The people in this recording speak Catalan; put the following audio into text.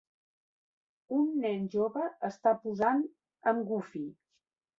Un nen jove està posant amb Goofy